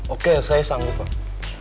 oke saya sanggup pak